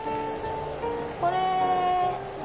これ。